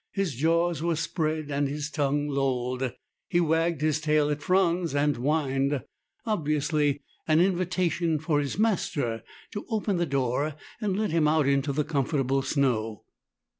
His jaws were spread and his tongue lolled. He wagged his tail at Franz and whined, obviously an invitation for his master to open the door and let him out into the comfortable snow.